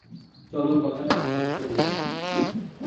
চলো কথাটাকে সত্য করে আসি।